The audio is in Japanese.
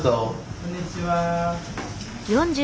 こんにちは。